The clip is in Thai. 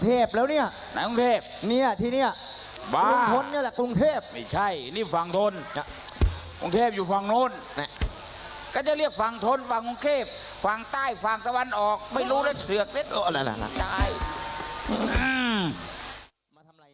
คาเฟ่นี้น่าจะอยู่ฝั่งธนคุณธนคอมเภกหรือเปล่า